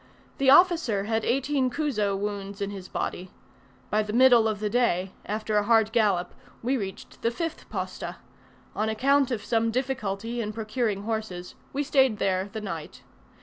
The officer had eighteen chuzo wounds in his body. By the middle of the day, after a hard gallop, we reached the fifth posta: on account of some difficulty in procuring horses we stayed there the night.